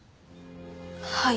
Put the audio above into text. はい。